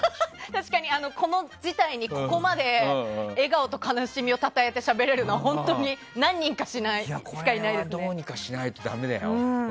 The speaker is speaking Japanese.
確かに、この事態にここまで笑顔と悲しみをたたえてしゃべれるのはこれはどうにかしないとだめだよ。